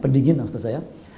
pendingin maksud saya